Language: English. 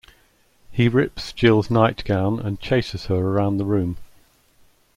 He rips Jill's nightgown and chases her around the room.